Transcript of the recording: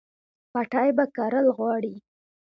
پټی به کرل غواړي